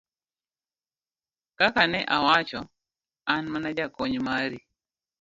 ka ka ne awacho, an mana jakony mari